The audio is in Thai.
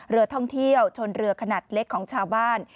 เรือท่องเที่ยวชนเรือขนาดเล็กของชาวบ้าน